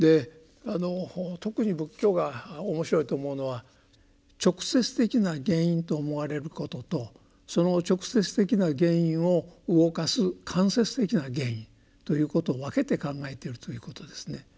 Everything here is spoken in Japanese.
特に仏教が面白いと思うのは直接的な原因と思われることとその直接的な原因を動かす間接的な原因ということを分けて考えているということですね。